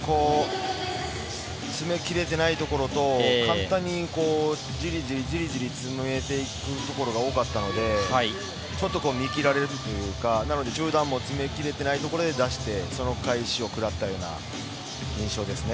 詰め切れてないところと簡単にじりじり詰めていくところが多かったので、ちょっと見切られるというか、中段も詰めきれてないところで出してその返しを食らったような印象ですね。